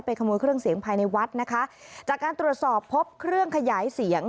ขโมยเครื่องเสียงภายในวัดนะคะจากการตรวจสอบพบเครื่องขยายเสียง